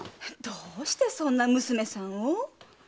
どうしてそんな娘さんを？